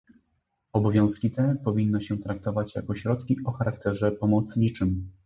Obowiązki te powinno się traktować jako środki o charakterze pomocniczym